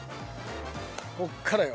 こっからよ。